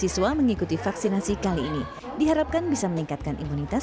empat ratus delapan puluh sembilan siswa mengikuti vaksinasi kali ini diharapkan bisa meningkatkan imunitas